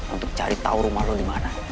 untuk cari tahu rumah lo di mana